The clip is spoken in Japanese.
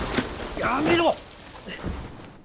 やめろ！